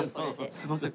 すいません。